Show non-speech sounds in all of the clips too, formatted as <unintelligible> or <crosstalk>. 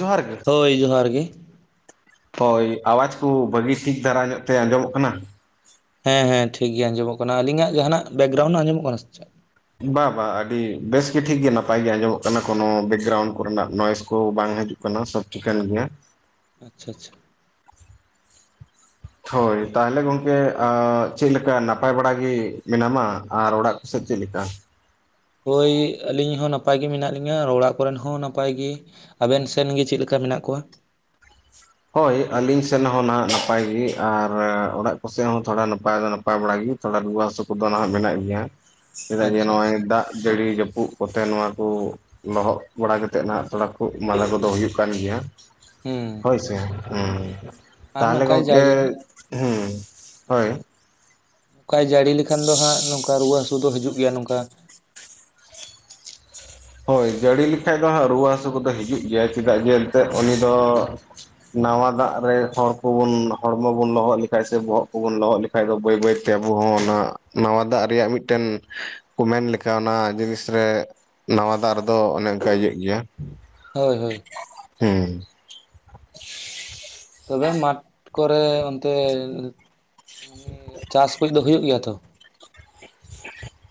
ᱡᱚᱦᱟᱨ ᱜᱮ ᱾ ᱦᱳᱭ ᱡᱚᱦᱟᱨ ᱜᱮ ᱦᱳᱭ ᱟᱣᱟᱡ ᱠᱚ ᱵᱷᱟᱹᱜᱤ ᱴᱷᱤᱠ ᱫᱷᱟᱨᱟ ᱧᱚᱜ ᱛᱮ ᱟᱸᱡᱚᱢᱚᱜ ᱠᱟᱱᱟ᱾ ᱦᱮᱸ ᱦᱮᱸ ᱴᱷᱤᱠ ᱜᱮᱭᱟ ᱟᱸᱡᱚᱢᱚᱜ ᱠᱟᱱᱟ ᱾ ᱟᱹᱞᱤᱧᱟᱜ ᱡᱟᱦᱟᱱᱟᱜ ᱵᱮᱠᱜᱨᱟᱣᱩᱱᱰ ᱟᱸᱡᱚᱢᱚᱜ ᱠᱟᱱᱟ ᱥᱮ ᱪᱮᱫ? ᱵᱟ ᱵᱟᱝ ᱟᱹᱰᱤ ᱵᱮᱥ ᱜᱮ ᱴᱷᱤᱠ ᱜᱮ ᱱᱟᱯᱟᱭ ᱜᱮ ᱟᱸᱡᱚᱢᱚᱜ ᱠᱟᱱᱟ ᱠᱳᱱᱚ ᱵᱮᱠᱜᱨᱩᱱᱰ ᱠᱚ ᱨᱮᱱᱟᱜ ᱱᱚᱭᱮᱥ ᱠᱚ ᱵᱟᱝ ᱦᱤᱡᱩᱜ ᱠᱟᱱᱟ ᱾ ᱠᱟᱱᱟ ᱥᱚᱵ ᱴᱷᱤᱠᱟᱹᱱ ᱜᱮᱭᱟ ᱾ ᱟᱪᱪᱷᱟ ᱟᱪᱪᱷᱟ ᱾ ᱦᱳᱭ ᱾ᱛᱟᱦᱚᱞᱮ ᱜᱚᱝᱠᱮ ᱟᱹᱻ ᱪᱮᱫ ᱞᱮᱠᱟ ᱱᱟᱯᱟᱭ ᱵᱟᱲᱟ ᱜᱮ ᱢᱮᱱᱟᱢᱟ? ᱟᱨ ᱚᱲᱟᱜ ᱠᱚᱥᱮᱫ ᱪᱮᱫ ᱞᱮᱠᱟ? ᱦᱳᱭ ᱾ ᱟᱹᱞᱤᱧ ᱦᱚᱸ ᱱᱟᱯᱟᱭ ᱜᱮ ᱢᱮᱱᱟᱜ ᱞᱤᱧᱟᱹ ᱾ ᱚᱲᱟᱜ ᱠᱚᱨᱮᱱ ᱦᱚᱸ ᱱᱟᱯᱟᱭ ᱜᱮ ᱾ ᱟᱵᱮᱱ ᱥᱮᱱ ᱜᱮ ᱪᱮᱫ ᱞᱮᱠᱟ ᱢᱮᱱᱟᱜ ᱠᱚᱣᱟ? ᱦᱳᱭ ᱾ ᱟᱹᱞᱤᱧ ᱥᱮᱱ ᱦᱚᱸ ᱱᱟᱦᱜ ᱱᱟᱯᱟᱭ ᱜᱮ᱾ ᱟᱨ ᱚᱲᱟᱜ ᱠᱚᱥᱮᱫ ᱦᱚᱸ ᱛᱷᱚᱲᱟ ᱱᱟᱯᱟᱭ ᱫᱚ ᱱᱟᱯᱟᱭ ᱵᱟᱲᱟ ᱜᱮ ᱾ ᱛᱷᱚᱲᱟ ᱨᱩᱣᱟᱹ ᱦᱟᱹᱥᱩ ᱠᱚᱫᱚ ᱱᱟᱜ ᱢᱮᱱᱟᱜ ᱜᱮᱭᱟ᱾ ᱪᱮᱫᱟ ᱡᱮ ᱟᱪᱪᱷᱟ ᱱᱚᱜᱼᱚᱭ ᱟᱪᱪᱷᱟ ᱫᱟᱜ ᱡᱟᱹᱲᱤ ᱡᱟᱹᱯᱩ ᱠᱚᱛᱮ ᱱᱚᱣᱟ ᱠᱚ ᱚᱱᱟ ᱦᱚᱜ ᱵᱟᱲᱟ ᱠᱟᱛᱮ ᱱᱟᱜ ᱛᱷᱚᱲᱟ ᱛᱷᱤᱜᱤ ᱢᱟᱫᱟ ᱠᱚᱫᱚ ᱦᱩᱭᱩᱜ ᱠᱟᱱ ᱜᱮᱭᱟ ᱾ ᱦᱮᱸ ᱾ ᱛᱟᱦᱚᱞᱮ ᱱᱚᱝᱠᱟᱭ ᱜᱚᱝᱠᱮ ᱡᱟᱹᱲᱤ ᱦᱮᱸ ᱦᱳᱭ ᱱᱚᱠᱟᱭ ᱡᱟᱹᱲᱤ ᱞᱮᱠᱷᱟᱱ ᱫᱚ ᱦᱟᱸᱜ ᱱᱚᱝᱠᱟ ᱨᱩᱣᱟᱹ ᱦᱟᱹᱥᱩ ᱫᱚ ᱦᱤᱡᱩᱜ ᱜᱮᱭᱟ ᱱᱚᱝᱠᱟ ᱾ ᱦᱳᱭ ᱡᱟᱹᱲᱤ ᱞᱮᱠᱷᱟᱡ ᱫᱚ ᱦᱟᱸᱜ ᱨᱩᱣᱟᱹ ᱦᱟᱹᱥᱩ ᱠᱚᱫᱚ ᱦᱤᱡᱩᱜ ᱜᱮᱭᱟ ᱪᱮᱫᱟᱜ ᱡᱮ ᱮᱱᱛᱮ ᱩᱱᱤ ᱫᱚ ᱱᱟᱣᱟ ᱫᱟᱜ ᱨᱮ ᱦᱚᱲ ᱠᱚᱵᱩᱱ ᱦᱚᱲᱢᱚ ᱵᱚᱱ ᱞᱚᱦᱚᱜ ᱞᱮᱠᱷᱟᱱ ᱥᱮ ᱵᱚᱦᱚᱜ ᱠᱚᱵᱚᱱ ᱞᱚᱦᱚᱜ ᱞᱮᱠᱷᱟᱱ ᱵᱟ ᱠᱷᱟᱡ ᱫᱚ ᱵᱟᱹᱭ ᱵᱟᱹᱭ ᱛᱮ ᱟᱵᱚ ᱦᱚᱸ ᱚᱱᱟ ᱱᱟᱣᱟ ᱫᱟᱜ ᱨᱮᱭᱟᱜ ᱢᱤᱫᱴᱟᱱ ᱠᱚ ᱢᱮᱱ ᱞᱮᱠᱷᱟᱱ ᱚᱱᱟ ᱡᱤᱱᱤᱥ ᱨᱮ ᱱᱟᱣᱟ ᱫᱟᱜ ᱨᱮᱫᱚ ᱚᱱᱮ ᱚᱱᱠᱟ ᱤᱭᱟᱹᱜ ᱜᱮᱭᱟ ᱾ ᱦᱳᱭ ᱦᱳᱭ ᱾ ᱦᱩᱸ ᱛᱚᱵᱮ ᱢᱟᱴ ᱠᱚᱨᱮ ᱚᱱᱛᱮ ᱮᱸᱻ ᱪᱟᱥ ᱠᱚ ᱫᱚ ᱦᱩᱭᱩᱜ ᱜᱮᱭᱟ ᱛᱚ ᱾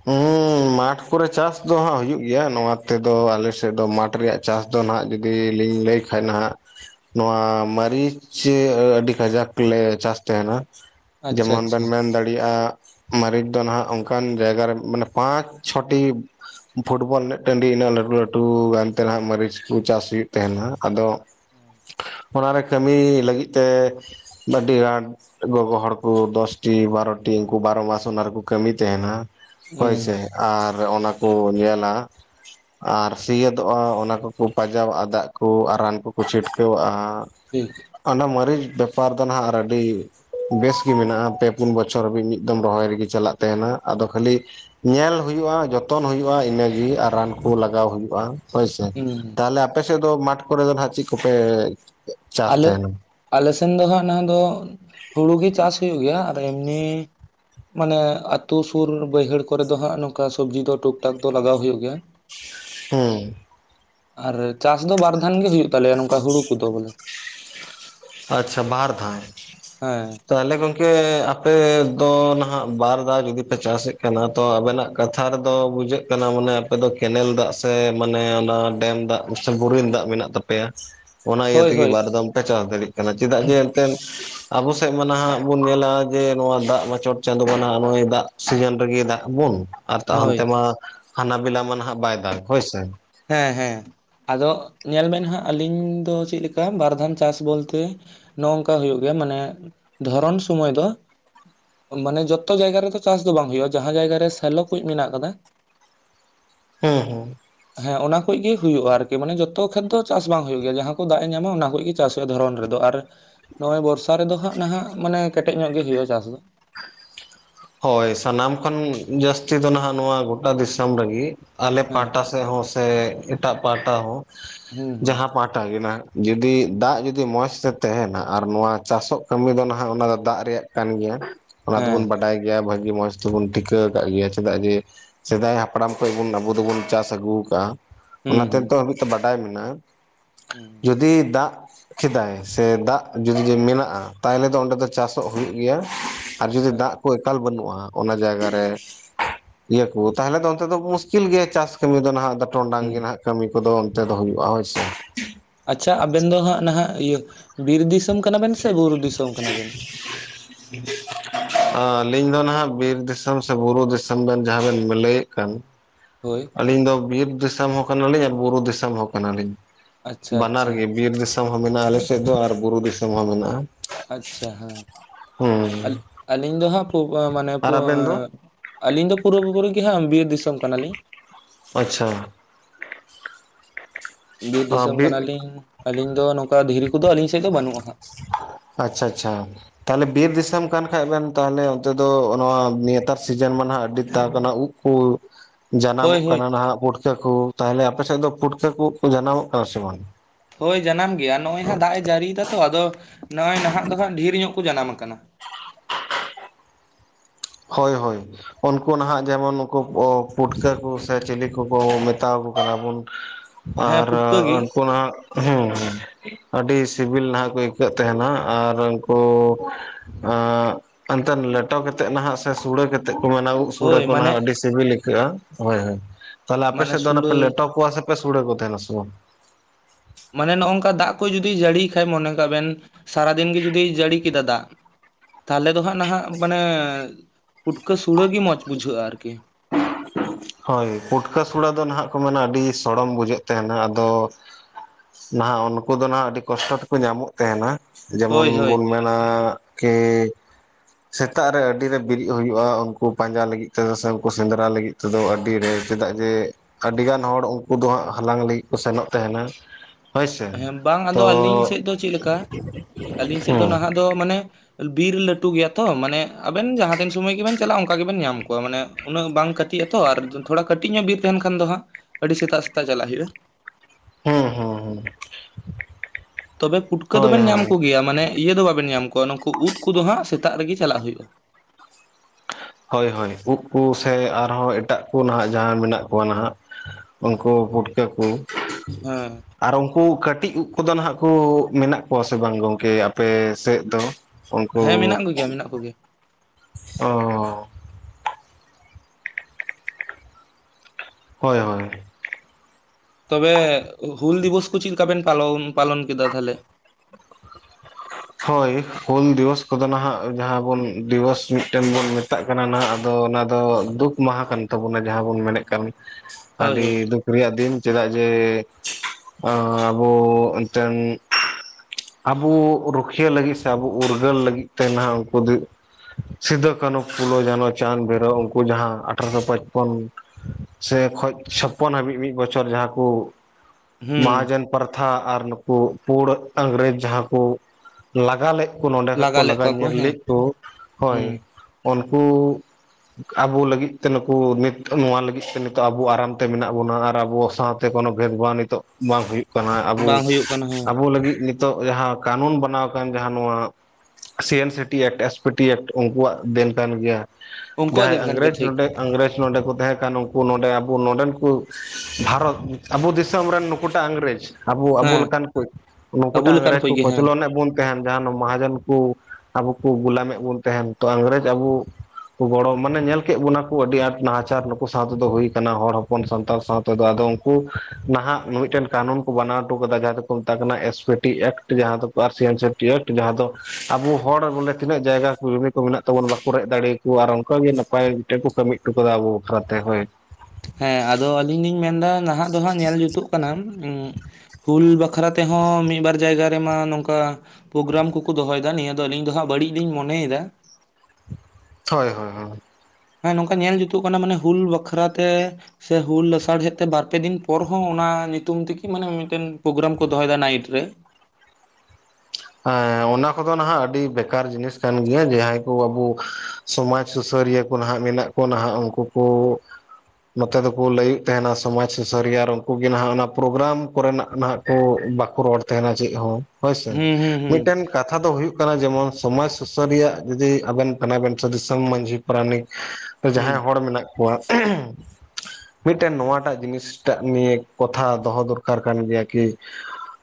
ᱦᱩᱸ ᱢᱟᱴᱷ ᱠᱚᱨᱮ ᱪᱟᱥ ᱫᱚ ᱦᱟᱸᱜ ᱦᱩᱭᱩᱜ ᱜᱮᱭᱟ ᱱᱚᱣᱟ ᱛᱮᱫᱚ ᱟᱞᱮ ᱥᱮᱫ ᱫᱚ ᱢᱟᱴᱷ ᱨᱮᱭᱟᱜ ᱪᱟᱥ ᱫᱚ ᱱᱟ ᱦᱟᱜ ᱡᱩᱫᱤ ᱞᱤᱧ ᱞᱟᱹᱭ ᱠᱷᱟᱡ ᱱᱟᱜ ᱾ ᱱᱚᱣᱟ ᱢᱟᱹᱨᱤᱪ ᱟᱹᱰᱤ ᱠᱟᱡᱟᱠ ᱞᱮ ᱪᱟᱥ ᱛᱟᱦᱮᱱᱟ ᱾ ᱟᱪᱪᱷᱟ ᱡᱮᱢᱚᱱ ᱵᱮᱱ ᱟᱪᱪᱷᱟ ᱢᱮᱱ ᱫᱟᱲᱮᱭᱟᱜᱼᱟ ᱢᱟᱹᱨᱤᱪ ᱫᱚ ᱱᱟᱦᱜ ᱚᱱᱠᱟᱱ ᱡᱟᱭᱜᱟ ᱨᱮ ᱢᱟᱱᱮ ᱯᱟᱸᱪ ᱪᱷᱚᱴᱤ ᱯᱷᱩᱴᱵᱚᱞ ᱮᱱᱮᱢ ᱴᱟᱺᱰᱤ ᱩᱱᱟᱹᱜ ᱞᱟᱹᱴᱩ ᱞᱟᱹᱴᱩ ᱜᱟᱱ ᱛᱮ ᱱᱟᱜ ᱢᱟᱹᱨᱤᱪ ᱠᱚ ᱪᱟᱹᱥ ᱦᱩᱭᱩᱜ ᱛᱟᱦᱮᱱᱟ᱾ ᱟᱫᱚ ᱚ ᱚᱱᱟ ᱨᱮ ᱠᱟᱹᱢᱤ ᱞᱟᱹᱜᱤᱫ ᱛᱮ ᱟᱹᱰᱤ ᱜᱟᱱ ᱜᱚᱜᱚ ᱦᱚᱲᱠᱳ ᱫᱚᱥᱴᱤ ᱵᱟᱨᱚᱴᱤ ᱩᱱᱠᱩ ᱵᱟᱨᱚ ᱢᱟᱥ ᱚᱱᱟ ᱨᱮᱠᱚ ᱠᱟᱹᱢᱤ ᱛᱟᱦᱮ-ᱟᱻ ᱾ ᱦᱳᱭ ᱥᱮ ᱦᱩᱸ ᱟᱨ ᱚᱱᱟ ᱠᱳ ᱧᱮᱞᱟ᱾ ᱟᱨ ᱥᱤᱭᱛᱚᱜᱼᱟ ᱚᱱᱟ ᱠᱩᱠᱩ ᱯᱟᱡᱟᱣᱟᱜᱼᱟ ᱫᱟᱜ ᱠᱩ ᱟᱨ ᱨᱟᱱ ᱠᱩᱠᱩ ᱪᱷᱤᱴᱠᱟᱹᱣᱟᱜᱼᱟ᱾ ᱴᱷᱤᱠ ᱚᱱᱟ ᱢᱟᱨᱟᱹᱨᱤᱪ ᱵᱮᱯᱟᱨ ᱫᱚ ᱱᱟᱦᱟᱜ ᱟᱨ ᱟᱹᱰᱤ ᱵᱮᱥ ᱜᱮ ᱢᱮᱱᱟᱜᱼᱟ ᱯᱮ ᱯᱩᱱ ᱵᱚᱪᱷᱚᱨ ᱦᱟᱹᱵᱤᱡ ᱢᱤᱫᱚᱢ ᱨᱚᱦᱚᱭ ᱨᱮᱜᱮ ᱪᱟᱞᱟᱜ ᱛᱟᱦᱮᱱᱟ, ᱟᱫᱚ ᱠᱷᱟᱹᱞᱤ ᱧᱮᱞ ᱦᱩᱭᱩᱜᱼᱟ ᱡᱚᱛᱚᱱ ᱦᱩᱭᱩᱜᱼᱟ ᱤᱱᱟᱹᱜᱤ ᱟᱨ ᱨᱟᱱ ᱠᱚ ᱞᱟᱜᱟᱣ ᱦᱩᱭᱩᱜᱼᱟ᱾ ᱦᱳᱭ ᱥᱮ ᱦᱩᱸ ᱛᱟᱦᱚᱞᱮ ᱟᱯᱮ ᱥᱮᱫ ᱫᱚ ᱢᱟᱴ ᱠᱚᱨᱮ ᱫᱚ ᱱᱟᱦᱟᱜ ᱪᱤᱜ ᱠᱚᱯᱮ ᱪᱟᱥ ᱟᱞᱮ ᱛᱟᱦᱮᱱᱟ ᱟᱞᱮᱥᱮᱱ ᱫᱚ ᱦᱟᱸᱜ ᱱᱟᱣᱟ ᱫᱚ ᱦᱩᱲᱩ ᱜᱮ ᱪᱟᱥ ᱦᱩᱭᱩᱜ ᱜᱮᱭᱟ ᱟᱨ ᱮᱢᱱᱤ ᱢᱟᱱᱮ ᱟᱛᱩ ᱥᱩᱨ ᱵᱟᱹᱭᱦᱟᱹᱲ ᱠᱚᱨᱮ ᱫᱚ ᱦᱟᱸᱜ ᱱᱚᱝᱠᱟ ᱥᱚᱵᱡᱤ ᱫᱚ ᱴᱩᱠ ᱴᱟᱠ ᱫᱚ ᱞᱟᱜᱟᱣ ᱦᱩᱭᱩᱜ ᱜᱮᱭᱟ᱾ ᱦᱳᱭ ᱾ ᱟᱨ ᱪᱟᱥ ᱫᱚ ᱵᱟᱨ ᱫᱷᱟᱫ ᱜᱮ ᱦᱩᱭᱩᱜ ᱛᱟᱞᱮᱭᱟ ᱱᱚᱝᱠᱟ ᱦᱩᱲᱩ ᱠᱚᱫᱚ ᱵᱚᱞᱮ ᱾ ᱟᱪᱪᱷᱟ ᱵᱟᱨ ᱫᱷᱟᱣ᱾ ᱦᱮᱸ᱾ ᱛᱟᱦᱟᱞᱮ ᱜᱚᱝᱠᱮ ᱟᱯᱮ ᱫᱚ ᱱᱟᱦᱟᱜ ᱵᱟᱨ ᱫᱷᱟ ᱡᱩᱫᱤ ᱯᱮ ᱪᱟᱥᱮᱜ ᱠᱟᱱᱟ᱾ ᱛᱚ ᱟᱵᱮᱱᱟᱜ ᱠᱟᱛᱷᱟ ᱨᱮᱫᱚ ᱵᱩᱡᱷᱟᱹᱜ ᱠᱟᱱᱟ ᱢᱟᱱᱮ ᱟᱯᱮ ᱫᱚ ᱠᱮᱱᱮᱞ ᱫᱟᱜ ᱥᱮ ᱢᱟᱱᱮ ᱚᱱᱟ ᱰᱮᱢ ᱫᱟᱜ ᱵᱚᱨᱤᱱ ᱫᱟᱜ ᱢᱮᱱᱟᱜ ᱛᱟᱯᱮᱭᱟ ᱚᱱᱟ ᱤᱭᱟᱹ ᱦᱳᱭ ᱛᱮᱜᱮ ᱦᱳᱭ ᱵᱟᱨᱫᱷᱟ ᱯᱮ ᱪᱟᱥ ᱫᱟᱲᱮᱭᱟᱜ ᱠᱟᱱᱟ ᱪᱮᱫᱟᱜ ᱡᱮ <unintelligible> ᱟᱵᱚ ᱥᱮᱜ ᱢᱟ ᱱᱟᱦᱟᱜ ᱵᱚᱱ ᱧᱮᱞᱟ ᱡᱮ ᱱᱚᱣᱟ ᱫᱟᱜ ᱢᱟᱪᱚᱴ ᱪᱟᱸᱫᱳ ᱵᱚᱸᱜᱟ ᱱᱚᱜᱼᱚᱭ ᱫᱟᱜ ᱥᱤᱡᱤᱱ ᱨᱮᱜᱮ ᱫᱟᱜ ᱵᱚᱱ ᱾ ᱟᱨ ᱦᱳᱭ ᱛᱟᱦᱟᱱᱛᱮ ᱢᱟ ᱦᱟᱱᱟ ᱵᱮᱞᱟ ᱢᱟ ᱱᱟᱦᱟᱜ ᱵᱟᱭ ᱫᱟᱜᱽ ᱦᱳᱭ ᱥᱮ᱾ ᱦᱮᱸ ᱦᱮᱸ ᱟᱫᱚ ᱧᱮᱞ ᱵᱮᱱ ᱦᱟᱜ ᱟᱹᱞᱤᱧ ᱫᱚ ᱪᱮᱫ ᱞᱮᱠᱟ ᱵᱟᱨᱫᱷᱟᱢ ᱪᱟᱥ ᱵᱚᱞᱛᱮ ᱱᱚᱝᱠᱟ ᱦᱩᱭᱩᱜ ᱜᱮᱭᱟ ᱢᱟᱱᱮ ᱫᱷᱚᱨᱚᱱ ᱥᱚᱢᱚᱭ ᱫᱚ ᱢᱟᱱᱮ ᱡᱚᱛᱛᱚ ᱡᱟᱭᱜᱟ ᱨᱮᱫᱚ ᱪᱟᱥ ᱫᱚ ᱵᱟᱝ ᱦᱳᱭᱚᱜᱼᱟ, ᱡᱟᱦᱟᱸ ᱡᱟᱭᱜᱟ ᱨᱮ ᱥᱮᱞᱚ ᱠᱩᱡ ᱢᱮᱱᱟᱜ ᱟᱠᱟᱫᱟ ᱦᱩᱸ ᱦᱩᱸ ᱦᱮᱸ ᱚᱱᱟ ᱠᱷᱚᱡ ᱜᱤ ᱦᱩᱭᱩᱜᱼᱟ ᱟᱨᱠᱤ ᱢᱟᱱᱮ ᱡᱚᱛᱚ ᱠᱷᱮᱛ ᱫᱚ ᱪᱟᱥ ᱵᱟᱝ ᱦᱩᱭᱩᱜ ᱜᱮᱭᱟ ᱡᱟᱦᱟᱸ ᱠᱚ ᱫᱟᱜ ᱮ ᱧᱟᱢᱟ ᱚᱱᱟ ᱠᱷᱚᱡ ᱜᱤ ᱪᱟᱥ ᱨᱮ ᱫᱷᱚᱨᱚᱱ ᱨᱮᱫᱚ ᱟᱨ ᱱᱚᱜᱼᱚᱭ ᱵᱚᱨᱥᱟ ᱨᱮᱫᱚ ᱦᱟᱸᱜ ᱱᱟᱦᱟᱜ ᱢᱟᱱᱮ ᱠᱮᱴᱮᱡ ᱧᱚᱜ ᱜᱮ ᱦᱳᱭᱳᱼᱟ ᱪᱟᱥ ᱫᱚ ᱾ ᱦᱳᱭ ᱥᱟᱱᱟᱢ ᱠᱷᱚᱱ ᱡᱟᱹᱥᱛᱤ ᱫᱚ ᱱᱟᱦᱟᱜ ᱱᱚᱣᱟ ᱜᱚᱴᱟ ᱫᱤᱥᱚᱢ ᱨᱮᱜᱤ ᱟᱞᱮ ᱦᱮᱸ ᱯᱟᱦᱴᱟ ᱥᱮ ᱛᱮ ᱦᱚᱸ ᱥᱮ ᱮᱴᱟᱜ ᱯᱟᱦᱴᱟ ᱦᱚᱸ ᱦᱩᱸ ᱦᱩᱸ ᱡᱟᱦᱟᱸ ᱯᱟᱦᱴᱟ ᱜᱮ ᱱᱟᱦᱟᱜ ᱡᱩᱫᱤ ᱫᱟᱜ ᱡᱩᱫᱤ ᱢᱚᱸᱥ ᱛᱮ ᱛᱟᱦᱮᱱᱟ ᱟᱨ ᱱᱚᱣᱟ ᱪᱟᱥᱚᱜ ᱠᱟᱹᱢᱤ ᱫᱚ ᱱᱟᱦᱟᱜ ᱚᱱᱟ ᱫᱚ ᱫᱟᱜ ᱨᱮᱭᱟᱜ ᱠᱟᱱ ᱜᱮᱭᱟ ᱚᱱᱟ ᱦᱮᱸ ᱫᱚᱵᱚᱱ ᱵᱟᱰ ᱵᱷᱟᱹᱜᱤ ᱢᱚᱸᱡᱽ ᱛᱮᱵᱚᱱ ᱴᱷᱤᱠᱟᱹ ᱟᱠᱟᱜ ᱜᱮᱭᱟ ᱪᱮᱫᱟᱜ ᱡᱮ ᱥᱮᱫᱟᱭ ᱦᱟᱯᱲᱟᱢ ᱠᱷᱚᱡ ᱵᱩᱱ ᱟᱵᱩ ᱫᱩᱵᱩᱱ ᱪᱟᱥ ᱟᱹᱜᱩᱣ ᱠᱟᱜᱼᱟ᱾ ᱦᱩᱸ ᱚᱱᱟᱛᱮ ᱦᱩᱸ ᱱᱤᱛᱚᱜ ᱦᱟᱹᱵᱤᱡ ᱵᱟᱰᱟᱭ ᱢᱮᱱᱟᱜᱼᱟ᱾ ᱦᱩᱸ᱾ ᱡᱩᱫᱤ ᱫᱟᱜ ᱠᱮᱫᱟᱭ ᱥᱮ ᱫᱟᱜ ᱡᱩᱫᱤ ᱜᱮ ᱢᱮᱱᱟᱜᱼᱟ ᱛᱟᱭᱞᱮ ᱫᱚ ᱚᱸᱰᱮ ᱫᱚ ᱪᱟᱥᱚᱜ ᱦᱩᱭᱩᱜ ᱜᱮᱭᱟ᱾ ᱟᱨ ᱡᱩᱫᱤ ᱦᱮᱸ ᱫᱟᱜ ᱠᱚ ᱮᱠᱟᱞ ᱵᱟᱹᱱᱩᱜᱼᱟ ᱚᱱᱟ ᱡᱟᱭᱜᱟ ᱨᱮ ᱤᱭᱟᱹ ᱠᱳ ᱛᱟᱦᱟᱞᱮ ᱫᱚ ᱚᱱᱛᱮ ᱫᱚ ᱢᱩᱥᱠᱤᱞ ᱜᱮᱭᱟ ᱪᱟᱥ ᱠᱟᱹᱢᱤ ᱫᱚ ᱱᱟᱦᱟᱜ ᱫᱟ ᱴᱚᱸᱰᱟᱝ ᱦᱩᱸ ᱜᱮ ᱱᱟᱦᱟᱜ ᱠᱟᱹᱢᱤ ᱠᱚᱫᱚ ᱚᱱᱛᱮ ᱫᱚ ᱦᱩᱭᱩᱜᱼᱟ ᱦᱳᱭ ᱥᱮ᱾ ᱟᱪᱪᱷᱟ ᱟᱵᱮᱱ ᱫᱚ ᱦᱟᱸᱜ ᱱᱟᱦᱟᱜ ᱤᱭᱟᱹ, ᱵᱤᱨ ᱫᱤᱥᱚᱢ ᱠᱟᱱᱟ ᱵᱮᱱ ᱥᱮ, ᱵᱩᱨᱩ ᱫᱤᱥᱚᱢ ᱠᱟᱱᱟ ᱵᱮᱱ? ᱟᱹᱞᱤᱧ ᱫᱚ ᱱᱟᱦᱟᱜ ᱵᱤᱨ ᱫᱤᱥᱚᱢ ᱥᱮ ᱵᱩᱨᱩ ᱫᱤᱥᱚᱢ ᱵᱮᱱ ᱡᱟᱦᱟᱸ ᱵᱮᱱ ᱞᱟᱹᱭᱮᱜ ᱠᱟᱱ᱾ ᱦᱳᱭ᱾ ᱟᱹᱞᱤᱧ ᱫᱚ ᱵᱤᱨ ᱫᱤᱥᱚᱢ ᱦᱚᱸ ᱠᱟᱱᱟᱞᱤᱧ ᱟᱨ ᱵᱩᱨᱩ ᱫᱤᱥᱚᱢ ᱦᱚᱸ ᱠᱟᱱᱟᱞᱤᱧ ᱟᱪᱪᱷᱟ ᱵᱟᱱᱟᱨ ᱟᱪᱪᱷᱟ ᱜᱮ ᱵᱤᱨ ᱫᱤᱥ ᱛᱚᱢ ᱦᱚᱸ ᱢᱮᱱᱟᱜᱼᱟ ᱟᱞᱮ ᱥᱮᱜ ᱫᱚ ᱟᱨ ᱵᱩᱨᱩ ᱫᱤᱥᱚᱢ ᱦᱚᱸ ᱢᱮᱱᱟᱜᱼᱟ᱾ ᱟᱪᱪᱷᱟ ᱦᱮᱸ ᱦᱩᱸ ᱟᱹᱞᱤᱧ ᱫᱚ ᱦᱟᱸᱜ ᱯᱩᱵ ᱢᱟᱱᱮ ᱟᱨ ᱯᱳ ᱟᱵᱮᱱ ᱫᱚ ᱟᱹᱞᱤᱧ ᱫᱚ ᱯᱩᱨᱟ ᱯᱩᱨᱤ ᱜᱮ ᱦᱟᱜ ᱵᱤᱨ ᱫᱤᱥᱚᱢ ᱜᱮ ᱠᱟᱱᱟ ᱞᱤᱧ᱾ ᱟᱪᱪᱷᱟ ᱵᱤᱨ ᱫᱤᱥᱚᱢ ᱵᱤᱨ ᱠᱟᱱᱟᱞᱤᱧ ᱟᱹᱞᱤᱧ ᱫᱚ ᱱᱚᱝᱠᱟ ᱫᱷᱤᱨᱤ ᱠᱚᱫᱚ ᱟᱹᱞᱤᱧ ᱥᱮᱫ ᱫᱚ ᱵᱟᱹᱱᱩᱜᱼᱟ ᱦᱟᱸᱜ᱾ ᱟᱪᱪᱷᱟ ᱟᱪᱪᱷᱟ᱾ ᱛᱟᱦᱚᱞᱮ ᱵᱤᱨ ᱫᱤᱥᱚᱢ ᱠᱟᱱ ᱠᱷᱟᱡ ᱵᱮᱱ ᱛᱟᱦᱚᱞᱮ ᱚᱱᱛᱮ ᱫᱚ ᱱᱚᱣᱟ ᱱᱮᱛᱟᱨ ᱥᱤᱡᱤᱱ ᱢᱟ ᱦᱟᱸᱜ ᱟᱹᱰᱤ ᱛᱟᱠ ᱚᱱᱟ ᱩᱵ ᱦᱚᱸ ᱦᱳᱭ ᱡᱟᱱᱟᱢᱚᱜ ᱦᱳᱭ ᱠᱟᱱᱟ ᱱᱟᱦᱟᱜ ᱯᱩᱴᱠᱟᱹ ᱠᱚ᱾ ᱛᱟᱦᱞᱮ ᱟᱯᱮ ᱥᱮᱫ ᱫᱚ ᱯᱩᱴᱠᱟᱹ ᱠᱚ ᱡᱟᱱᱟᱢᱚᱜ ᱠᱟᱱᱟ ᱥᱮ ᱵᱟᱝ? ᱦᱳᱭ ᱡᱟᱱᱟᱢ ᱜᱮᱭᱟ ᱱᱚᱜ ᱚᱭ ᱦᱟᱜ ᱫᱟᱜ ᱮ ᱡᱟᱹᱨᱤ ᱫᱟ ᱛᱚ ᱟᱫᱚ ᱱᱚᱜ ᱚᱭ ᱱᱟᱦᱟᱜ ᱫᱚ ᱦᱟᱸᱜ ᱰᱷᱮᱨ ᱧᱚᱜ ᱠᱚ ᱡᱟᱱᱟᱢ ᱟᱠᱟᱱᱟ᱾ ᱦᱳᱭ ᱦᱳᱭ ᱩᱱᱠᱩ ᱱᱟᱦᱟᱜ ᱡᱮᱢᱚᱱ ᱩᱱᱠᱩ ᱯᱩᱴᱠᱟᱹ ᱠᱚ ᱥᱮ ᱪᱮᱞᱮ ᱠᱚᱠᱚ ᱢᱮᱛᱟᱣᱠᱚ ᱠᱟᱱᱟ ᱵᱚᱱ᱾ ᱦᱮᱸ ᱟᱨ ᱯᱩᱴᱠᱟᱹ ᱜᱮ ᱩᱱᱠᱩ ᱱᱟᱜ ᱦᱩᱸ ᱟᱹᱰᱤ ᱥᱤᱵᱤᱞ ᱱᱟᱦᱟᱜ ᱠᱚ ᱟᱹᱭᱠᱟᱹᱜ ᱛᱟᱦᱮᱱᱟ ᱟᱨ ᱩᱱᱠᱩ <inaudible> ᱞᱮᱴᱚ ᱜᱮ ᱛᱮ ᱱᱟᱦᱟᱜ ᱥᱮ ᱥᱩᱲᱟᱹ ᱠᱟᱛᱮ ᱠᱚ ᱢᱮᱱᱟ ᱩᱫ ᱥᱩᱲᱟᱹ ᱦᱳᱭ ᱠᱚ ᱢᱟᱱᱮ ᱱᱟᱦᱟᱜ ᱟᱹᱰᱤ ᱥᱤᱵᱤᱞ ᱟᱹᱭᱠᱟᱹᱜᱼᱟ ᱾ ᱦᱳᱭ ᱦᱳᱭ ᱛᱟᱦᱚᱞᱮ ᱟᱯᱮ ᱢᱟᱱᱮ ᱥᱮᱫ ᱫᱚ ᱚᱱᱮ ᱯᱮ ᱥᱩᱲᱟᱹ ᱞᱮᱴᱚ ᱠᱚᱣᱟ ᱥᱮ ᱯᱮ ᱥᱩᱲᱟᱹ ᱠᱚ ᱛᱟᱦᱮᱱᱟ ᱥᱮ ᱵᱟᱝ? ᱢᱟᱱᱮ ᱱᱚᱼᱚᱱᱚᱝᱠᱟ ᱫᱟᱜ ᱠᱚ ᱡᱩᱫᱤ ᱡᱟᱹᱲᱤᱭ ᱠᱷᱟᱡ ᱢᱚᱱᱮ ᱠᱟᱜ ᱵᱮᱱ ᱥᱟᱨᱟ ᱫᱤᱱ ᱜᱮ ᱡᱩᱫᱤ ᱡᱟᱹᱲᱤ ᱠᱮᱫᱟ ᱫᱟᱜ ᱛᱟᱦᱚᱞᱮ ᱫᱚ ᱦᱟᱸᱜ ᱱᱟᱦᱟᱜ ᱢᱟᱱᱮ ᱯᱩᱴᱠᱟᱹ ᱥᱩᱲᱟᱹ ᱜᱮ ᱢᱚᱸᱡᱽ ᱵᱩᱡᱷᱟᱹᱜᱼᱟ ᱟᱨᱠᱤ᱾ <inaudible> ᱦᱳᱭ ᱯᱩᱴᱠᱟᱹ ᱥᱩᱲᱟᱹ ᱫᱚ ᱱᱟᱦᱟᱜ ᱠᱚ ᱢᱮᱱᱟ ᱟᱹᱰᱤ ᱥᱚᱲᱚᱢ ᱵᱩᱡᱷᱟᱹᱜ ᱛᱟᱦᱮᱱᱟ ᱟᱫᱚ ᱱᱟᱦᱟᱜ ᱩᱱᱠᱩ ᱫᱚ ᱱᱟᱜ ᱟᱹᱰᱤ ᱠᱚᱥᱴᱚ ᱛᱮᱠᱚ ᱧᱟᱢᱚᱜ ᱛᱟᱦᱮᱱᱟ ᱡᱮᱢᱚᱱ ᱦᱳᱭ ᱦᱳᱭ ᱵᱚᱱ ᱢᱮᱱ <unintelligible> ᱥᱮᱛᱟᱜ ᱨᱮ ᱟᱹᱰᱤ ᱨᱮ ᱵᱤᱨᱮᱫ ᱦᱩᱭᱩᱜᱼᱟ ᱩᱱᱠᱩ ᱯᱟᱸᱡᱟ ᱞᱟᱹᱜᱤᱫ ᱛᱮᱫᱚ ᱥᱮ ᱠᱚ ᱥᱮᱸᱫᱽᱨᱟ ᱞᱟᱹᱜᱤᱫ ᱛᱮᱫᱚ ᱟᱹᱰᱤ ᱜᱮ ᱪᱮᱫᱟᱜ ᱡᱮ ᱟᱹᱰᱤ ᱜᱟᱱ ᱦᱚᱲ ᱩᱱᱠᱩ ᱫᱚ ᱦᱟᱸᱜ ᱦᱟᱞᱟᱝ ᱞᱟᱹᱜᱤᱫ ᱠᱚ ᱥᱮᱱᱚᱜ ᱛᱟᱦᱮᱱᱟ᱾ ᱦᱳᱭᱥᱮ ᱦᱮᱸ ᱵᱟᱝ ᱟᱫᱚ ᱛᱚ ᱟᱹᱞᱤᱧ ᱥᱮᱫ ᱫᱚ ᱪᱤᱫ ᱞᱮᱠᱟ ᱟᱞᱤᱧ ᱥᱮᱫ ᱫᱚ ᱦᱩᱸ ᱱᱟᱦᱟᱜ ᱫᱚ ᱢᱟᱱᱮ ᱵᱤᱨ ᱞᱟᱹᱴᱩ ᱜᱮᱭᱟ ᱛᱚ ᱢᱟᱱᱮ ᱟᱵᱮᱱ ᱡᱟᱦᱟᱸ ᱛᱤᱱ ᱥᱩᱢᱟᱹᱭ ᱜᱮᱵᱮᱱ ᱪᱟᱞᱟᱜᱼᱟ ᱚᱱᱠᱟ ᱜᱮᱵᱮᱱ ᱧᱟᱢ ᱠᱚᱣᱟ ᱢᱟᱱᱮ ᱩᱱᱟᱹᱜ ᱵᱟᱝ ᱠᱟᱹᱴᱤᱡ ᱟᱛᱚ ᱟᱨ ᱛᱷᱚᱲᱟ ᱠᱟᱹᱴᱤᱡ ᱧᱚᱜ ᱵᱤᱨ ᱛᱟᱦᱮᱱ ᱠᱷᱟᱱ ᱫᱚ ᱦᱟᱸᱜ ᱟᱹᱰᱤ ᱥᱮᱛᱟᱜ ᱥᱮᱛᱟᱜ ᱪᱟᱞᱟᱜ ᱦᱩᱭᱩᱜᱼᱟ᱾ ᱦᱚᱸ ᱦᱚᱸ ᱦᱚᱸ ᱛᱚᱵᱮ ᱯᱩᱴᱠᱟᱹ ᱦᱳᱭ ᱫᱚᱵᱮᱱ ᱧᱟᱢ ᱦᱳᱭ ᱠᱚᱜᱮᱭᱟ ᱢᱟᱱᱮ ᱤᱭᱟᱹ ᱫᱚ ᱵᱟᱵᱮᱱ ᱧᱟᱢ ᱠᱚᱣᱟ᱾ ᱱᱩᱠᱩ ᱩᱫ ᱠᱚᱫᱚ ᱦᱟᱸᱜ ᱥᱮᱛᱟᱜ ᱨᱮᱜᱮ ᱪᱟᱞᱟᱜ ᱦᱩᱭᱩᱜᱼᱟ᱾ ᱦᱳᱭ ᱦᱳᱭ ᱩᱫ ᱠᱚ ᱥᱮ ᱟᱨᱦᱚᱸ ᱮᱴᱟᱜ ᱠᱚ ᱱᱟᱦᱟᱜ ᱡᱟᱦᱟᱸ ᱢᱮᱱᱟᱜ ᱠᱚᱣᱟ ᱱᱟᱦᱟᱜ᱾ ᱩᱱᱠᱩ ᱯᱩᱴᱠᱟᱹ ᱠᱚ ᱦᱮᱸ ᱟᱨ ᱩᱱᱠᱩ ᱠᱟᱹᱴᱤᱡ ᱩᱫ ᱠᱚᱫᱚ ᱱᱟᱦᱟᱜ ᱠᱚ ᱢᱮᱱᱟᱜ ᱠᱚᱣᱟ ᱥᱮ ᱵᱟᱝ ᱜᱚᱝᱠᱮ ᱟᱯᱮ ᱥᱮᱫ ᱫᱚ? ᱦᱮᱸ ᱢᱮᱱᱟᱜ ᱠᱚᱜᱮᱭᱟ ᱢᱮᱱᱟᱜ ᱠᱚᱜᱮᱭᱟ ᱚᱻ ᱦᱳᱭ ᱦᱳᱭ, ᱛᱚᱵᱮ ᱦᱩᱞ ᱫᱤᱵᱚᱥ ᱠᱚ ᱪᱤᱫ ᱞᱤᱠᱟᱵᱮᱱ ᱯᱟᱞᱚᱢ ᱯᱟᱞᱚᱱ ᱠᱮᱫᱟ ᱛᱟᱦᱞᱮ? ᱦᱳᱭ ᱦᱩᱞ ᱫᱤᱵᱚᱥ ᱠᱚᱫᱚ ᱱᱟᱦᱟᱜ ᱡᱟᱦᱟᱸ ᱵᱚᱱ ᱫᱤᱵᱚᱥ ᱢᱤᱫᱴᱮᱱ ᱵᱚᱱ ᱢᱮᱛᱟᱜ ᱠᱟᱱᱟ ᱱᱟᱦᱟᱜ ᱟᱫᱚ ᱚᱱᱟ ᱫᱚ ᱫᱩᱠ ᱢᱟᱦᱟ ᱠᱟᱱ ᱛᱟᱵᱚᱱᱟ ᱡᱟᱦᱟᱸ ᱵᱚᱱ ᱢᱮᱱᱮᱫ ᱠᱟᱱ ᱦᱳᱭ ᱦᱳᱭ ᱟᱹᱰᱤ ᱫᱩᱠ ᱨᱮᱭᱟᱜ ᱫᱤᱱ ᱪᱮᱫᱟᱜ ᱡᱮ ᱟᱵᱚ ᱮᱱᱛᱮᱱ ᱟᱵᱚ ᱨᱩᱠᱷᱤᱭᱟᱹ ᱞᱟᱹᱜᱤᱫ ᱥᱮ ᱟᱵᱚ ᱩᱨᱜᱟᱹᱞ ᱞᱟᱹᱜᱤᱫ ᱛᱮ ᱱᱟᱦᱟᱜ ᱩᱱᱠᱩ ᱫᱚ ᱥᱤᱫᱩ ᱠᱟᱹᱱᱩ ᱯᱷᱩᱞᱳ ᱡᱟᱱᱚ ᱪᱟᱸᱫᱽ ᱵᱷᱟᱭᱨᱳ ᱩᱱᱠᱩ ᱡᱟᱦᱟᱸ ᱟᱴᱷᱨᱚᱥᱚ ᱯᱟᱸᱪᱯᱚᱱ ᱥᱮ ᱠᱷᱚᱡ ᱪᱷᱟᱯᱚᱱ ᱦᱟᱹᱵᱤᱡ ᱢᱤᱫ ᱵᱚᱪᱷᱚᱨ ᱡᱟᱦᱟᱸ ᱠᱚ ᱦᱩᱸ ᱢᱟᱦᱟᱡᱚᱱ ᱯᱟᱨᱛᱷᱟ ᱟᱨ ᱱᱩᱠᱩ ᱯᱩᱲ ᱟᱹᱝᱨᱟᱹᱪ ᱡᱟᱸᱦᱟ ᱠᱚ ᱞᱟᱜᱟ ᱞᱮᱫ ᱩᱱᱠᱩ ᱱᱚᱸᱰᱮ ᱠᱷᱚᱡ ᱠᱚ ᱞᱮᱫ ᱞᱟᱜᱟ ᱠᱚᱣᱟ ᱧᱤᱨ ᱦᱮᱸ ᱞᱤᱫ ᱠᱩ ᱦᱳᱭ ᱦᱩᱸ ᱩᱱᱠᱩ ᱟᱵᱚ ᱞᱟᱹᱜᱤᱫ ᱛᱮ ᱱᱩᱠᱩ ᱱᱤᱛ ᱱᱚᱣᱟ ᱞᱟᱹᱜᱤᱫ ᱛᱮ ᱱᱤᱛᱚᱜ ᱟᱵᱚ ᱟᱨᱟᱢ ᱛᱮ ᱢᱮᱱᱟᱜ ᱵᱚᱱᱟ ᱟᱨ ᱟᱵᱚ ᱥᱟᱶ ᱛᱮ ᱠᱳᱱᱳ ᱵᱷᱮᱫᱽ ᱵᱷᱟ ᱱᱤᱛᱚᱜ ᱵᱟᱝ ᱦᱩᱭᱩᱜ ᱠᱟᱱᱟ ᱟᱵᱩ ᱵᱟᱝ ᱦᱩᱭᱩᱜ ᱠᱟᱱᱟ ᱦᱮᱸ ᱟᱵᱚ ᱞᱟᱹᱜᱤᱫ ᱱᱤᱛᱚᱜ ᱡᱟᱦᱟᱸ ᱠᱟᱹᱩᱱ ᱵᱟᱱᱟᱣ ᱟᱠᱟᱱ ᱡᱟᱦᱟᱸ ᱱᱚᱣᱟ᱾ C N city act S ᱯᱤᱴᱤ act ᱩᱱᱠᱩᱣᱟᱜ ᱫᱮᱱ ᱠᱟᱱ ᱜᱮᱭᱟ᱾ ᱩᱱᱠᱩᱣᱟᱜ ᱡᱟᱦᱟᱸᱭ ᱫᱤᱱ ᱠᱟᱱ ᱜᱮᱭᱟ ᱤᱝᱨᱮᱡᱽ ᱴᱷᱤᱠ ᱱᱚᱰᱮ ᱤᱝᱨᱮᱡᱽ ᱱᱚᱰᱮ ᱠᱚ ᱛᱟᱦᱮᱸᱠᱟᱱ ᱩᱱᱠᱩ ᱱᱚᱰᱮ ᱟᱵᱚ ᱱᱚᱰᱮᱱ ᱠᱚ ᱵᱷᱟᱨᱚᱛ ᱟᱵᱚ ᱫᱤᱥᱚᱢ ᱨᱮᱱ ᱱᱩᱠᱩᱴᱟᱜ ᱤᱝᱨᱮᱡᱽ ᱟᱵᱚ ᱟᱵᱚ ᱦᱮᱸ ᱞᱮᱠᱟᱱ ᱠᱚ ᱟᱵᱚ ᱱᱩᱠᱩᱴᱟᱜ ᱞᱮᱠᱟᱱ ᱤᱝᱨᱮᱡᱽ ᱠᱚ ᱜᱮ ᱦᱮᱸ ᱠᱚᱪᱞᱚᱱ ᱮᱫ ᱵᱚᱱ ᱛᱟᱦᱮᱸᱱ᱾ ᱡᱟᱦᱟᱸ ᱫᱚ ᱢᱟᱦᱟᱡᱚᱱ ᱠᱚ ᱟᱵᱚ ᱠᱚ ᱜᱩᱞᱟᱢ ᱮᱫ ᱵᱚᱱ ᱛᱟᱦᱮᱱ ᱛᱚ ᱤᱝᱨᱮᱡᱽ ᱟᱵᱚ ᱜᱚᱲᱚ ᱢᱟᱱᱮ ᱧᱮᱞ ᱠᱮᱫ ᱵᱚᱱᱟ ᱠᱚ ᱟᱹᱰᱤ ᱟᱸᱴ ᱱᱟᱦᱟᱪᱟᱨ ᱱᱩᱠᱩ ᱥᱟᱶᱛᱮ ᱫᱚ ᱦᱩᱭ ᱠᱟᱱᱟ᱾ ᱦᱚᱲ ᱦᱚᱯᱚᱱ ᱥᱟᱱᱛᱟᱲ ᱥᱟᱶ <inaudible> ᱟᱫᱚ ᱩᱱᱠᱩ ᱱᱟᱦᱟᱜ ᱱᱩᱭᱴᱷᱮᱱ ᱠᱟᱹᱱᱩᱱ ᱠᱚ ᱵᱟᱱᱟᱣ ᱦᱚᱴᱚ ᱠᱟᱫᱟ ᱡᱟᱦᱟᱸ ᱫᱚᱠᱚ ᱢᱮᱛᱟᱜ ᱠᱟᱱᱟ ᱮᱥ ᱮᱠᱴᱤ ᱮᱠᱴᱤ ᱡᱟᱦᱟᱸ ᱫᱚ <unintelligible> ᱡᱟᱦᱟᱸ ᱫᱚ ᱟᱵᱚ ᱦᱚᱲ ᱵᱚᱞᱮ ᱛᱤᱱᱟᱹᱜ ᱡᱟᱭᱜᱟ ᱠᱚ <inaudible> ᱢᱮᱱᱟᱜ ᱛᱟᱵᱚᱱ ᱵᱟᱠᱚ ᱨᱮᱡ ᱫᱟᱲᱮ ᱟᱠᱚᱣᱟ ᱟᱨ ᱚᱱᱠᱟᱜᱮ ᱱᱟᱯᱟᱭ ᱢᱤᱫᱴᱮᱡ ᱠᱚ ᱠᱟᱹᱢᱤ ᱦᱚᱴᱚ ᱟᱠᱟᱫᱟ ᱟᱵᱚ ᱵᱷᱟᱨᱚᱛ ᱨᱮ ᱦᱳᱭ ᱦᱮᱸ ᱟᱫᱚ ᱟᱞᱤᱧ ᱞᱤᱧ ᱢᱮᱱᱫᱟ ᱱᱟᱦᱟᱜ ᱫᱚ ᱦᱟᱸᱜ ᱧᱮᱞ ᱡᱩᱛᱩᱜ ᱠᱟᱱᱟ᱾ ᱩᱸ ᱦᱩᱞ ᱵᱟᱠᱷᱨᱟ ᱛᱮᱦᱚᱸ ᱢᱤᱫ ᱵᱟᱨ ᱡᱟᱭᱜᱟ ᱨᱮᱢᱟ ᱱᱚᱝᱠᱟ ᱯᱨᱳᱜᱨᱟᱢ ᱠᱚ ᱠᱚ ᱫᱚᱦᱚᱭᱮᱫᱟ ᱱᱤᱭᱟᱹ ᱫᱚ ᱟᱹᱞᱤᱧ ᱫᱚ ᱦᱟᱸᱜ ᱵᱟᱹᱲᱤᱡ ᱞᱤᱧ ᱢᱚᱱᱮᱭᱮᱫᱟ᱾ ᱦᱳᱭ ᱦᱳᱭ ᱦᱳᱭ ᱦᱮᱸ ᱱᱚᱝᱠᱟ ᱧᱮᱞ ᱡᱩᱛᱩᱜ ᱠᱟᱱᱟ ᱢᱟᱱᱮ ᱦᱩᱞ ᱵᱟᱠᱷᱨᱟ ᱛᱮ ᱥᱮ ᱦᱩᱞ ᱞᱟᱥᱟᱲ ᱦᱮᱫ ᱛᱮ ᱵᱟᱨᱯᱮ ᱫᱤᱱ ᱯᱚᱨ ᱦᱚᱸ ᱚᱱᱟ ᱧᱩᱛᱩᱢ ᱛᱤᱜᱮ ᱢᱟᱱᱮ ᱢᱤᱫᱴᱮᱱ ᱯᱨᱳᱜᱨᱟᱢ ᱠᱚ ᱫᱚᱦᱚᱭ ᱮᱫᱟ ᱱᱟᱭᱤᱴ ᱨᱮ ᱦᱮᱸ ᱚᱱᱟ ᱠᱚ ᱫᱚ ᱱᱟᱦᱟᱜ ᱟᱹᱰᱤ ᱵᱮᱠᱟᱨ ᱡᱤᱱᱤᱥ ᱠᱟᱱ ᱜᱮᱭᱟ ᱡᱟᱦᱟᱸᱭ ᱠᱚ ᱟᱵᱩ ᱥᱚᱢᱟᱡᱽ ᱥᱩᱥᱟᱹᱨᱤᱭᱟᱹ ᱠᱚ ᱱᱟᱦᱟᱜ ᱢᱮᱱᱟᱜ ᱠᱚ ᱱᱟᱦᱟᱜ ᱩᱱᱠᱩ ᱠᱚ ᱱᱚᱛᱮ ᱫᱚ ᱠᱚ ᱞᱟᱹᱭᱮᱫ ᱛᱟᱦᱮᱱ-ᱟ ᱥᱚᱢᱟᱡᱽ ᱥᱩᱥᱟᱹᱨᱤᱭᱟᱹ ᱟᱨ ᱩᱱᱠᱩ ᱜᱮ ᱱᱟᱦᱟᱜ ᱚᱱᱟ ᱯᱨᱳᱜᱨᱟᱢ ᱠᱚᱨᱮ ᱱᱟᱜ ᱱᱟᱦᱟᱜ ᱠᱚ ᱵᱟᱠᱚ ᱨᱚᱲ ᱛᱟᱦᱮᱱ-ᱟ ᱪᱮᱫ ᱦᱚᱸ ᱦᱳᱭᱥᱮ ᱦᱩᱸ ᱦᱩᱸ ᱦᱩᱸ ᱢᱤᱫᱴᱮᱱ ᱠᱟᱛᱷᱟ ᱫᱚ ᱦᱩᱭᱩᱜ ᱠᱟᱱᱟ ᱡᱮᱢᱚᱱ ᱥᱚᱢᱟᱡᱽ ᱥᱩᱥᱟᱹ ᱨᱮᱭᱟᱜ ᱡᱩᱫᱤ ᱟᱵᱮᱱ ᱠᱟᱱᱟ ᱵᱮᱱᱥᱮ ᱫᱤᱥᱚᱢ ᱢᱟᱺᱡᱷᱤ ᱯᱟᱨᱟᱱᱤᱠ ᱦᱳᱭ ᱦᱩᱸ ᱡᱟᱦᱟᱸᱭ ᱦᱚᱲ ᱢᱮᱱᱟᱜ ᱠᱚᱣᱟ ᱮᱸ ᱦᱮᱸ ᱢᱤᱫᱴᱮᱱ ᱱᱚᱣᱟ ᱴᱟᱜ ᱡᱤᱱᱤᱥ ᱴᱟᱜ ᱱᱤᱭᱮ ᱠᱟᱛᱷᱟ ᱫᱚᱦᱚ ᱫᱚᱨᱠᱟᱨ ᱠᱟᱱ ᱜᱮᱭᱟ ᱠᱤ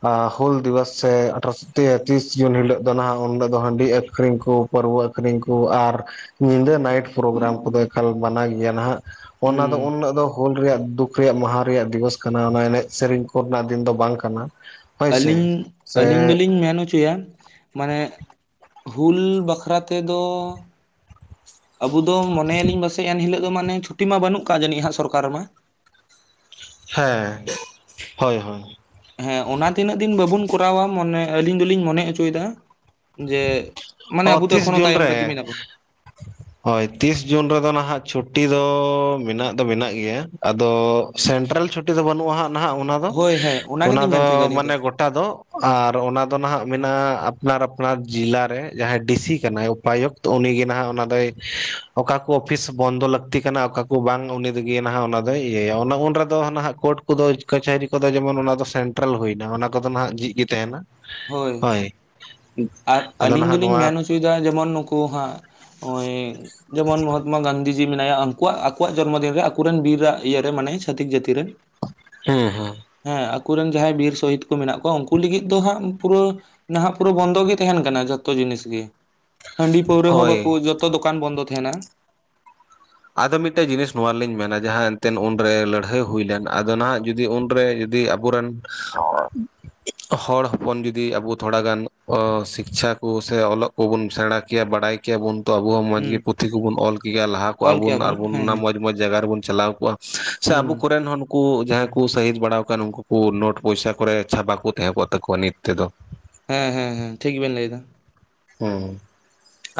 ᱟ ᱦᱩᱞ ᱫᱤᱵᱚᱥ ᱥᱮ ᱟᱴᱷᱟᱥ ᱛᱮ ᱛᱤᱥ ᱡᱩᱱ ᱦᱤᱞᱳᱜ ᱫᱚ ᱱᱟᱦᱟᱜ ᱩᱱᱦᱤᱞᱳᱜ ᱫᱚ ᱦᱟᱺᱰᱤ ᱟᱹᱠᱷᱨᱤᱧ ᱠᱚ ᱯᱟᱹᱨᱣᱟᱹ ᱟᱹᱠᱷᱨᱤᱧ ᱠᱚ ᱟᱨ ᱧᱤᱫᱟᱹ ᱱᱟᱭᱤᱴ ᱯᱨᱳᱜᱨᱟᱢ ᱠᱚ ᱫᱚ ᱮᱠᱟᱞ ᱢᱟᱱᱟ ᱜᱮᱭᱟ ᱱᱟᱦᱟᱜ᱾ ᱚᱱᱟ ᱦᱩᱸ ᱫᱚ ᱩᱱ ᱦᱤᱞᱳᱜ ᱫᱚ ᱦᱩᱞ ᱨᱮᱭᱟᱜ ᱫᱩᱠ ᱨᱮᱭᱟᱜ ᱢᱟᱦᱟ ᱨᱮᱭᱟᱜ ᱫᱤᱵᱚᱥ ᱠᱟᱱᱟ᱾ ᱚᱱᱟ ᱮᱱᱮᱡ ᱥᱮᱨᱮᱧ ᱠᱩᱜ ᱠᱷᱚᱨᱱᱟᱜ ᱫᱤᱱ ᱫᱚ ᱵᱟᱝ ᱠᱟᱱᱟ᱾ ᱦᱳᱭ ᱟᱹᱞᱤᱧ ᱥᱮ ᱥᱮ ᱟᱹᱞᱤᱧ ᱫᱚ ᱞᱤᱧ ᱢᱮᱱ ᱚᱪᱚᱭᱟ᱾ ᱢᱟᱱᱮ ᱦᱩᱞ ᱵᱟᱠᱷᱨᱟ ᱛᱮ ᱫᱚ ᱟᱵᱩ ᱫᱚ ᱢᱚᱱᱮᱭᱟ ᱞᱤᱧ ᱯᱟᱥᱮᱡ ᱮᱱ ᱦᱤᱞᱳᱜ ᱫᱚ ᱢᱟᱱᱮ ᱪᱷᱩᱴᱤ ᱢᱟ ᱵᱟᱹᱱᱩᱜ ᱟᱠᱟᱜ ᱡᱟᱹᱱᱤᱡ ᱦᱟᱸᱜ ᱥᱚᱨᱠᱟᱨ ᱨᱮ ᱢᱟ ᱦᱮᱸ ᱦᱳᱭ ᱦᱳᱭ ᱦᱮᱸ ᱚᱱᱟ ᱛᱤᱱᱟᱹᱜ ᱫᱤᱱ ᱵᱟᱵᱩᱱ ᱠᱚᱨᱟᱣᱟ ᱢᱚᱱᱮ ᱟᱹᱞᱤᱧ ᱫᱚ ᱞᱤᱧ ᱢᱚᱱᱮ ᱚᱪᱩᱭ ᱮᱫᱟ᱾ ᱡᱮ ᱢᱟᱱᱮ ᱟᱵᱩ ᱫᱚ ᱮᱠᱷᱚᱱᱳ ᱛᱟᱭᱚᱢ ᱨᱮ ᱜᱤ ᱢᱮᱱᱟᱜ ᱵᱩᱱᱟ᱾ ᱦ <inaudible> ᱦᱳᱭ ᱛᱤᱥ ᱡᱩᱱ ᱨᱮ ᱫᱚ ᱱᱟᱦᱟᱜ ᱪᱷᱩᱴᱴᱤ ᱫᱚ ᱢᱮᱱᱟᱜ ᱫᱚ ᱢᱮᱱᱟᱜ ᱜᱮᱭᱟ᱾ ᱟᱫᱚ ᱥᱮᱱᱴᱨᱟᱞ ᱪᱷᱩᱴᱤ ᱫᱚ ᱵᱟᱹᱱᱩᱜᱼᱟ ᱦᱟᱸᱜ ᱱᱟᱦᱟᱜ ᱚᱱᱟ ᱫᱚ ᱦᱳᱭ ᱦᱮᱸ ᱚᱱᱟ ᱜᱮᱞᱤᱧ ᱫᱚ ᱢᱮᱱ ᱦᱚᱪᱚᱭᱮᱫᱟ ᱟᱹᱞᱤᱧ ᱢᱟᱱᱮ ᱜᱚᱴ ᱟᱫᱚᱜ ᱟᱨ ᱚᱱᱟ ᱫᱚ ᱱᱟᱦᱟᱜ ᱢᱮᱱᱟᱜᱼᱟ ᱟᱯᱱᱟᱨ <unintelligible> ᱡᱤᱞᱟᱮ ᱡᱟᱦᱟᱸᱭ ᱰᱤᱥᱤ ᱠᱟᱱᱟᱭ ᱩᱯᱟᱭᱩᱛ ᱩᱱᱤ ᱜᱮ ᱱᱟᱦᱟᱜ ᱚᱱᱟ ᱫᱚᱭ ᱚᱠᱟ ᱠᱚ ᱚᱯᱷᱤᱥ ᱵᱚᱱᱫᱚ ᱞᱟᱹᱠᱛᱤ ᱠᱟᱱᱟ ᱚᱠᱟ ᱠᱚ ᱵᱟᱝ ᱩᱱᱤ ᱜᱮ ᱱᱟᱦᱟᱜ ᱚᱱᱟ ᱫᱚᱭ ᱤᱭᱟᱹᱭᱟ ᱚᱱᱟ ᱩᱱ ᱨᱮ ᱫᱚ ᱱᱟᱦᱟᱜ ᱠᱳᱴ ᱩᱱᱠᱩ ᱫᱚ ᱠᱟᱪᱷᱟᱹᱨᱤ ᱠᱚ ᱫᱚ ᱡᱮᱢᱚᱱ ᱚᱱᱟ ᱫᱚ ᱥᱮᱱᱴᱨᱟᱞ ᱦᱩᱭ ᱱᱟ ᱚᱱᱟ ᱠᱚ ᱫᱚ ᱱᱟᱜ ᱡᱷᱤᱡᱽ ᱜᱮ ᱛᱟᱦᱮᱱᱟ᱾ ᱦᱳᱭ ᱟᱨ ᱟᱫᱚ ᱟᱹᱞᱤᱧ ᱱᱟᱦᱟᱜ ᱫᱚᱞᱤᱧ ᱱᱚᱣᱟ ᱢᱮᱱ ᱚᱪᱩᱭ ᱮᱫᱟ ᱡᱮᱢᱚᱱ ᱱᱩᱠᱩ ᱦᱟᱸᱜ ᱱᱚᱜᱼᱚᱭ ᱡᱮᱢᱚᱱ ᱢᱚᱦᱟᱛᱢᱟ ᱜᱟᱱᱰᱷᱤ ᱡᱤ ᱢᱮᱱᱟᱭᱟ ᱩᱱᱠᱩᱣᱟᱜ ᱟᱠᱚᱣᱟᱜ ᱡᱚᱱᱢᱚ ᱫᱤᱱ ᱨᱮ ᱟᱠᱩ ᱨᱮᱱ ᱵᱤᱨ ᱟᱜ ᱤᱭᱟᱹ ᱨᱮ ᱢᱟᱱᱮ ᱪᱷᱟᱹᱛᱤᱠ ᱡᱟᱹᱛᱤ ᱨᱮ ᱦᱮᱸ ᱦᱮᱸ ᱦᱮᱸ ᱟᱠ ᱩᱱᱠᱩ ᱨᱮᱱ ᱡᱟᱦᱟᱸᱭ ᱵᱤᱨ ᱥᱚᱦᱤᱫ ᱠᱚ ᱢᱮᱱᱟᱜ ᱠᱚᱣᱟ ᱾ᱩᱱᱠᱩ ᱞᱤᱜᱤᱫ ᱫᱚ ᱦᱟᱸᱜ ᱯᱩᱨᱟᱹ ᱱᱟᱦᱟᱜ ᱯᱩᱨᱟᱹ ᱵᱚᱱᱫᱚ ᱜᱮ ᱛᱟᱦᱮᱱ ᱠᱟᱱᱟ ᱡᱚᱛᱚ ᱡᱤᱱᱤᱥ ᱜᱮ ᱦᱟᱺᱰᱤ ᱯᱟᱹᱣᱨᱟᱹ ᱦᱚᱸ ᱵᱟᱠᱚ ᱦᱳᱭ ᱡᱚᱛᱚ ᱫᱚᱠᱟᱱ ᱵᱚᱱᱫᱚ ᱛᱟᱦᱮᱱᱟ᱾ ᱟᱫᱚ ᱢᱤᱫ ᱴᱮᱡᱽ ᱡᱤᱱᱤᱥ ᱱᱚᱣᱟ ᱨᱮᱞᱤᱧ ᱢᱮᱱᱟ ᱡᱟᱦᱟᱸ ᱮᱱᱛᱮᱫ ᱩᱱᱨᱮ ᱞᱟᱹᱲᱦᱟᱹᱭ ᱦᱩᱭ ᱞᱮᱱ ᱟᱫᱚ ᱱᱟᱦᱟᱜ ᱡᱩᱫᱤ ᱩᱱ ᱨᱮ ᱡᱩᱫᱤ ᱟᱵ ᱟᱵᱩ ᱨᱮᱱ ᱦᱚᱲ ᱦᱚᱯᱚᱱ ᱡᱩᱚᱫᱤ ᱟᱵᱚ ᱛᱷᱚᱲᱟᱜᱟᱱ ᱥᱤᱠᱪᱷᱟ ᱠᱚ ᱥᱮ ᱚᱞᱚᱜ ᱠᱚᱵᱚᱱ ᱥᱮᱬᱟ ᱠᱮᱭᱟ ᱵᱟᱰᱟᱭ ᱠᱮᱵᱚᱱ ᱛ ᱟᱵᱚ ᱦᱚᱸ ᱢᱚᱡᱽ ᱦᱩᱸ ᱜᱮ ᱯᱩᱛᱷᱤ ᱠᱚᱵᱚᱱ ᱚᱞ ᱠᱮᱭᱟ ᱞᱟᱦᱟ ᱚᱞ ᱠᱮᱭᱟ ᱵᱚᱱ ᱦᱮᱸ ᱟᱨᱵᱟᱱ ᱦᱮᱸ ᱢᱚᱡ ᱢᱚᱡ ᱡᱟᱜᱟ ᱨᱮᱵᱚᱱ ᱪᱟᱞᱟᱣ ᱠᱚᱜ-ᱟ ᱥᱮ ᱦᱩᱸ ᱟᱵᱚ ᱠᱚᱨᱮᱱ ᱮ ᱱᱩᱠᱩ ᱡᱟᱦᱟᱸᱭ ᱠᱩ ᱥᱟᱹᱦᱤᱡ ᱵᱟᱲᱟ ᱟᱠᱟᱫ ᱩᱱᱠᱩ ᱞᱳᱴ ᱯᱚᱭᱥᱟ ᱠᱚ ᱨᱮ ᱪᱷᱟᱵᱟ ᱠᱚ ᱛᱟᱦᱮᱸ ᱠᱚᱜ ᱛᱟᱠᱚᱣᱟ ᱱᱤᱛ ᱛᱮ ᱫᱚ ᱦᱮᱸ ᱦᱮᱸ ᱦᱮᱸ ᱴᱷᱤᱠ ᱵᱮᱱ ᱞᱟᱹᱭ ᱮᱫᱟ ᱦᱩᱸ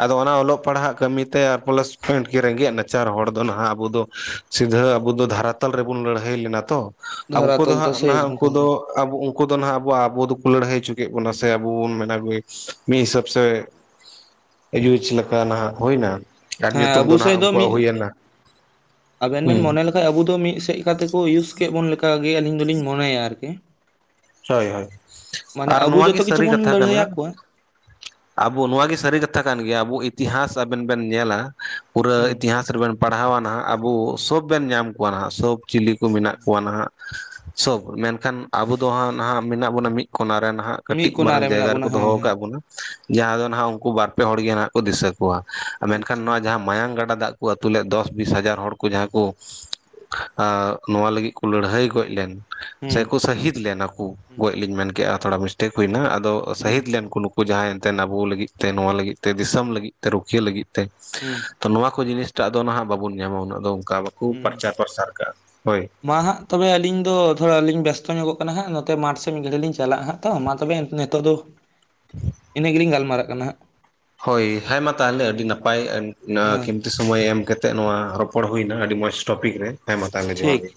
ᱟᱫᱚ ᱚᱱᱟ ᱚᱞᱚᱜ ᱯᱟᱲᱦᱟᱜ ᱠᱟᱹᱢᱤ ᱛᱮ ᱟᱯᱳ ᱞᱳᱥᱠᱤᱴ ᱨᱮᱸᱜᱮᱡ ᱱᱟᱪᱟᱨ ᱦᱚᱲ ᱫᱚ ᱱᱟᱦᱟᱜ ᱟᱵᱚ ᱫᱚ ᱥᱤᱫᱷᱟᱹ ᱟᱵᱚ ᱫᱚ ᱫᱷᱟᱨᱟ ᱛᱟᱞ ᱨᱮᱵᱚᱱ ᱞᱟᱹᱲᱦᱟᱹᱭ ᱞᱮᱱᱟ ᱛᱚ, ᱫᱷᱚᱨᱟ ᱩᱱᱠᱩ ᱫᱚ ᱛᱚᱞ ᱛᱮ ᱦᱟᱸᱜ ᱥᱮ ᱱᱟᱜ ᱦᱤᱡᱩᱜ ᱩᱱᱠᱩ ᱠᱟᱱ ᱫᱚ ᱜᱮ ᱟᱵᱚ ᱩᱱᱠᱩ ᱫᱚ ᱱᱟᱦᱟᱜ ᱟᱵᱚ ᱟᱵᱚ ᱫᱚ ᱠᱚ ᱞᱟᱹᱲᱦᱟᱹᱭ ᱪᱩ ᱠᱮᱫ ᱵᱚᱱᱟ ᱥᱮ ᱟᱵᱚ ᱵᱚᱱ ᱢᱮᱱᱟ ᱢᱤᱫ ᱦᱤᱥᱟᱹᱵ ᱥᱮ ᱤᱭᱩᱡᱽ ᱞᱮᱠᱟ ᱱᱟᱦᱟᱜ ᱦᱩᱭ ᱱᱟ ᱦᱮᱸ ᱟᱵᱚ ᱥᱮᱡ ᱫᱚ ᱢᱤᱫ ᱟᱵᱮᱱ ᱵᱮᱱ ᱦᱩᱸ ᱢᱚᱱᱮ ᱞᱮᱠᱷᱟ ᱟᱵᱩ ᱫᱚ ᱢᱤᱫ ᱥᱮᱫ ᱠᱟ ᱛᱮ ᱠᱚ ᱤᱭᱩᱡ ᱠᱮᱫ ᱵᱚᱱ ᱞᱮᱠᱟᱜᱮ ᱟᱹᱞᱤᱧ ᱫᱚ ᱞᱤᱧ ᱢᱚᱱᱮᱭᱟ᱾ ᱟᱨᱠᱤ ᱦᱳᱭ ᱦᱳᱭ ᱢᱟᱱᱮ ᱟᱨ ᱟᱵᱚ ᱱᱚᱣᱟ ᱡᱚᱛᱚ ᱜᱮ ᱠᱤᱪᱷᱩ ᱥᱟᱹᱨᱤ ᱵᱚᱱ ᱠᱟᱛᱷᱟ ᱠᱟᱱᱟ᱾ ᱞᱟᱹᱲᱦᱟᱹᱭᱟᱜ ᱠᱚᱣᱟ ᱟᱵᱚ ᱱᱚᱣᱟ ᱜᱮ ᱥᱟᱹᱨᱤ ᱠᱟᱛᱷᱟ ᱠᱟᱱ ᱜᱮᱭᱟ ᱟᱵᱚ ᱤᱛᱤᱦᱟᱸᱥ ᱟᱵᱮᱱ ᱵᱮᱱ ᱧᱮᱞᱟ ᱯᱩᱨᱟᱹ ᱦᱩᱸ ᱤᱛᱤᱦᱟᱸᱥ ᱨᱮᱵᱮᱱ ᱯᱟᱲᱦᱟᱣᱟ ᱱᱟᱦᱟᱜ ᱟᱵᱚ ᱥᱳᱵ ᱵᱮᱱ ᱧᱟᱢ ᱠᱚᱣᱟ ᱱᱟᱦᱟᱜ ᱥᱳᱵ ᱪᱤᱞᱤ ᱠᱚ ᱢᱮᱱᱟᱜ ᱠᱚᱣᱟ ᱱᱟᱦᱟᱜ ᱥᱚᱵ ᱢᱮᱱᱠᱷᱟᱱ ᱟᱵᱚ ᱫᱚ ᱦᱟᱸᱜ ᱱᱟᱦᱜ ᱢᱮᱱᱟᱜ ᱵᱚᱱᱟ ᱢᱤᱫ ᱠᱚᱱᱟ ᱨᱮ ᱦᱟᱸᱜ ᱢᱤᱫ ᱠᱟᱹᱴᱤᱡ ᱠᱚᱱᱟ ᱢᱟᱨᱟᱝ ᱨᱮ ᱢᱮᱱᱟᱜ ᱡᱟᱭᱜᱟ ᱵᱚᱱᱟ ᱨᱮᱠᱚ ᱫᱚᱦᱚ ᱦᱮᱸ ᱦᱮᱸ ᱟᱠᱟᱫ ᱵᱚᱱᱟ ᱡᱟᱦᱟᱸ ᱫᱚ ᱦᱟᱜ ᱩᱱᱠᱩ ᱵᱟᱨᱯᱮ ᱦᱚᱲ ᱜᱮ ᱦᱟᱸᱜ ᱠᱚ ᱫᱤᱥᱟᱹ ᱠᱚᱣᱟ ᱢᱮᱱᱠᱷᱟᱱ ᱟᱪᱪᱷᱟ ᱱᱚᱣᱟ ᱡᱟᱦᱟᱸ᱾ ᱢᱟᱭᱟᱝ ᱜᱟᱰᱟ ᱫᱟᱜ ᱠᱚ ᱟᱛᱩ ᱞᱮᱫ ᱫᱚᱥ ᱵᱤᱥ ᱦᱟᱡᱟᱨ ᱦᱚᱲ ᱠᱚ ᱡᱟᱦᱟᱸ ᱠᱚ ᱱᱚᱣᱟ ᱞᱟᱹᱜᱤᱫ ᱠᱚ ᱞᱟᱹᱲᱦᱟᱹᱭ ᱜᱚᱡ ᱞᱮᱱ ᱦᱩᱸ ᱥᱮᱠᱚ ᱥᱟᱹᱦᱤᱫ ᱞᱮᱱᱟᱠᱚ ᱦᱩᱸ ᱜᱚᱡ ᱞᱤᱧ ᱢᱮᱱ ᱠᱮᱫᱮᱜ-ᱟ ᱛᱷᱚᱲᱟ ᱢᱤᱥᱴᱮᱠ ᱦᱩᱭᱱᱟ ᱟᱫᱚ ᱦᱩᱸ ᱥᱟᱹᱦᱤᱫ ᱞᱮᱱ ᱠᱚ ᱱᱩᱠᱩ᱾ ᱩᱱᱠᱩ ᱡᱟᱦᱟᱸᱭ ᱮᱱᱛᱮ ᱟᱵᱚ ᱞᱟᱹᱜᱤᱫ ᱛᱮ ᱱᱚᱣᱟ ᱞᱟᱹᱜᱤᱫ ᱛᱮ ᱫᱤᱥᱚᱢ ᱞᱟᱹᱜᱤᱫ ᱛᱮ ᱨᱩᱠᱷᱤᱭᱟᱹ ᱞᱟᱹᱜᱤᱫ ᱛᱮ ᱦᱩᱸ ᱛᱚ ᱱᱚᱣᱟ ᱠᱚ ᱡᱤᱱᱤᱥᱴᱟᱜ ᱫᱚ ᱱᱟᱦᱟᱜ ᱵᱟᱵᱚᱱ ᱧᱟᱢᱟ ᱩᱱᱟᱹᱜ ᱫᱚ ᱚᱱᱠᱟ ᱵᱟᱠᱚ ᱦᱩᱸ ᱯᱟᱨᱪᱟᱨ ᱯᱨᱟᱨᱪᱟᱨ ᱠᱟᱜ-ᱟ ᱦᱳᱭ ᱢᱟ ᱦᱟᱸᱜ ᱛᱚᱵᱮ ᱟᱹᱞᱤᱧ ᱫᱚ ᱛᱷᱚᱲᱟ ᱞᱤᱧ ᱵᱮᱥᱛᱚ ᱧᱚᱜᱚᱜ ᱠᱟᱱᱟ ᱦᱟᱸᱜ ᱱᱚᱛᱮ ᱢᱟᱴᱷ ᱥᱮ ᱢᱤᱫ ᱜᱷᱟᱹᱲᱤᱡ ᱞᱤᱧ ᱪᱟᱞᱟᱜ ᱦᱟᱸᱜ ᱛᱚ ᱢᱟ ᱛᱚᱵᱮ ᱱᱤᱛᱚᱜ ᱫᱚ ᱤᱱᱟᱹᱜ ᱜᱮ ᱞᱤᱧ ᱜᱟᱞᱢᱟᱨᱟᱜ ᱠᱟᱱᱟ ᱦᱟᱸᱜ ᱦᱳᱭ ᱦᱮᱸ ᱢᱟ ᱛᱟᱦᱚᱞᱮ ᱟᱹᱰᱤ ᱱᱟᱯᱟᱭ᱾ ᱦᱮᱸ ᱥᱚᱢᱚᱭ ᱮᱢ ᱠᱟᱛᱮᱮᱫ ᱱᱚᱣᱟ ᱨᱚᱯᱚᱲ ᱦᱩᱭᱱᱟ ᱟᱹᱰᱤ ᱢᱚᱸᱡᱽ ᱴᱚᱯᱤᱠ ᱨᱮ ᱦᱮᱸ ᱢᱟ ᱛᱟᱦᱚᱞᱮ ᱡᱚᱦᱟᱨ ᱴᱷᱤᱠ ᱜᱮ᱾